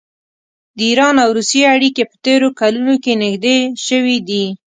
د ایران او روسیې اړیکې په تېرو کلونو کې نږدې شوي دي.